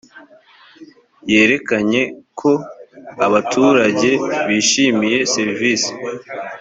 yerekanye ko abaturage bishimiye serivisi